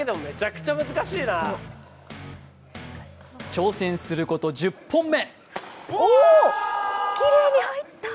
挑戦すること１０本目。